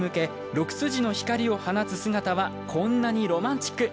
６筋の光を放つ姿はこんなにロマンチック。